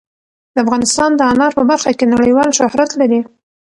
افغانستان د انار په برخه کې نړیوال شهرت لري.